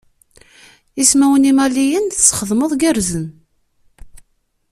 Ismawen Imaliyen tesxedmeḍ gerrzen.